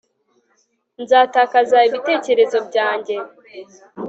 nzatakaza ibitekerezo byanjye